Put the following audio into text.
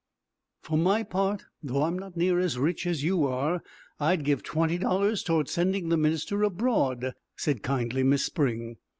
"For my part, although I am not near as rich as you are, I'd give twenty dollars toward sending the minister abroad," said kindly Miss Spring.